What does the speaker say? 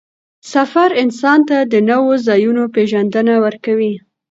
سفر انسان ته د نوو ځایونو پېژندنه ورکوي